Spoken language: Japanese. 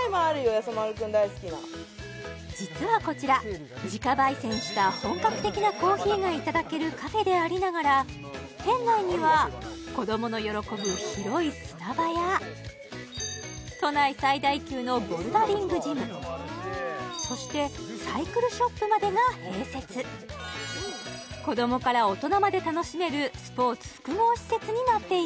実はこちら自家ばい煎した本格的なコーヒーがいただけるカフェでありながら店内には子供の喜ぶ広い砂場や都内最大級のボルダリングジムそしてサイクルショップまでが併設になっているんですやさ